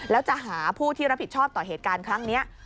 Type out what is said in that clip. แล้วจะหาผู้ที่รับผิดชอบต่อเหตุการณ์ครั้งนี้